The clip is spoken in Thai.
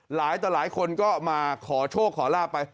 หลายต่อหลายคนก็มาขอโชคขอลาบ